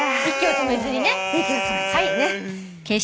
息を止めずにね。